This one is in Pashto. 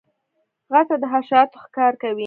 غڼه د حشراتو ښکار کوي